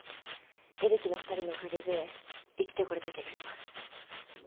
エレキの２人のおかげで生きてこれた気がします